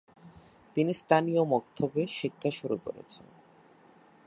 তিনি স্থানীয় মক্তবে শিক্ষা শুরু করেছেন।